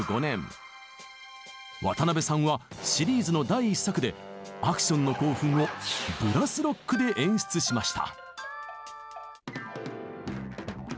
渡辺さんはシリーズの第１作でアクションの興奮をブラス・ロックで演出しました。